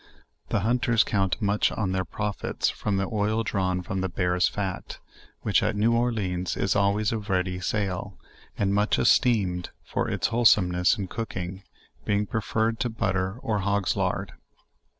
The hunters count much on their profits from the oil drawn from the bear's fat, which, at New Orleans, is always of ready sale, and much esteemed for its wholesomeness in cooking, being preferred to butter or hogs lard.